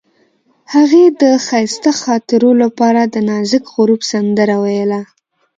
هغې د ښایسته خاطرو لپاره د نازک غروب سندره ویله.